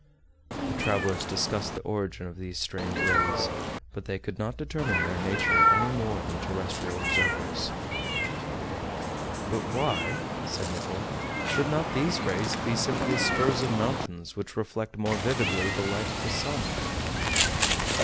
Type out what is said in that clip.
The travelers discussed the origin of these strange rays; but they could not determine their nature any more than terrestrial observers. "But why," said Nicholl, "should not these rays be simply spurs of mountains which reflect more vividly the light of the sun?"